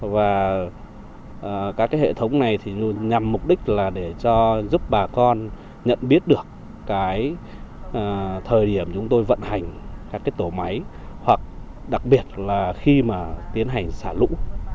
và các hệ thống này nhằm mục đích là để giúp bà con nhận biết được thời điểm chúng tôi vận hành các tổ máy hoặc đặc biệt là khi tiến hành xả lũ